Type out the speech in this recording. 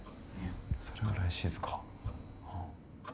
それぐらい静か。